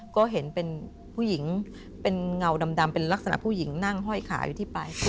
ก็เห็นเป็นผู้หญิงเป็นเงาดำเป็นลักษณะผู้หญิงนั่งห้อยขาอยู่ที่ปลาย